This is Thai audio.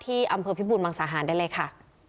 อำเภอพิบูรมังสาหารได้เลยค่ะ